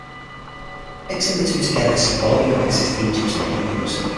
Mixing the two together symbolically mixes Egypt and the Hebrews.